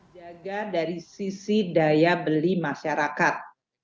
jaga dari sisi daya beli masyarakat